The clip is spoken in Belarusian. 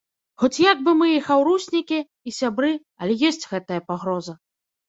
Хоць як бы мы і хаўруснікі, і сябры, але ёсць гэтая пагроза.